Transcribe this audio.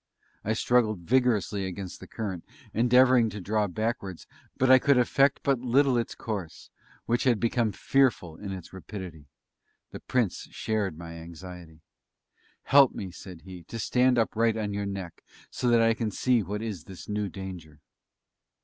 I struggled vigorously against the current, endeavouring to draw backwards, but I could affect but little its course, which had become fearful in its rapidity. The Prince shared my anxiety. "Help me," said he, "to stand upright on your neck, so that I can see what is this new danger."